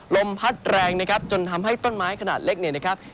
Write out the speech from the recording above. ลมพัดแรงนะครับจนทำให้ต้นไม้ขนาดเล็กเนี่ยนะครับ